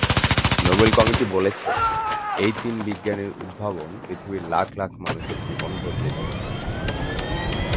Nobel committee বলেছে, এই তিন বিজ্ঞানীর উদ্ভাবন পৃথিবীর লাখ লাখ মানুষের জীবন বদলে দিয়েছে।